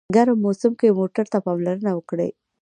ګرم موسم کې موټر ته پاملرنه وکړه.